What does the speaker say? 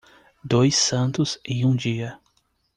Dois santos em um dia.